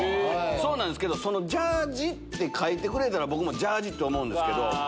そうなんですけど「ジャージー」って書いてくれたら僕もジャージーって思うけど。